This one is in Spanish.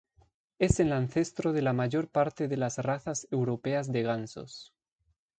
Es el ancestro de la mayor parte de las razas europeas de gansos.